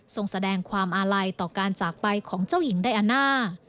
แสดงความอาลัยต่อการจากไปของเจ้าหญิงไดอาน่า